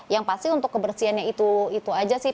yang pasti untuk kebersihannya itu itu aja sih